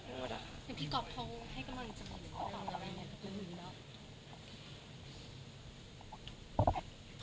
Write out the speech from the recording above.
พี่ก็โทรให้ก็มาแหละ